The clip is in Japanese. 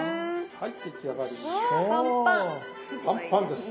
はい。